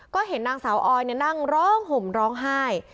ก็เห็นนางสาวออยนั่งร้องห่มร้องไห้